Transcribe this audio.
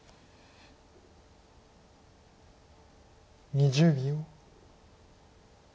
２０秒。